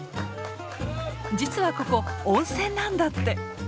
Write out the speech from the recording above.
実はここ温泉なんだって。